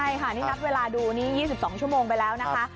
ใช่ค่ะนี่นับเวลาดูนี่๒๒ชั่วโมงไปแล้วนะคะ